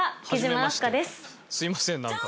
すいませんなんか。